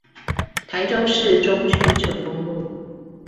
台中市中區成功路